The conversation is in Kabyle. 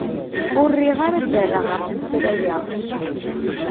Ur riɣ ara ad d-rreɣ ɣef tuttra-a.